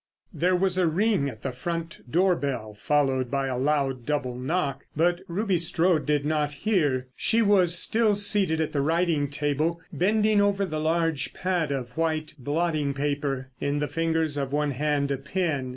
There was a ring at the front door bell followed by a loud double knock. But Ruby Strode did not hear. She was still seated at the writing table bending over the large pad of white blotting paper, in the fingers of one hand a pen.